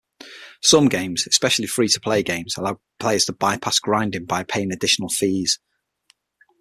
Some games, especially free-to-play games, allow players to bypass grinding by paying additional fees.